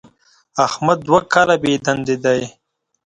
احمد دوه کاله بېدندې دی.